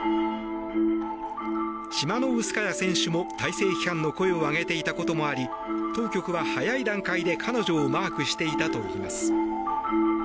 チマノウスカヤ選手も体制批判の声を上げていたこともあり当局は早い段階で彼女をマークしていたといいます。